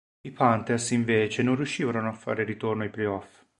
I Panthers invece non riuscirono a fare ritorno ai playoff.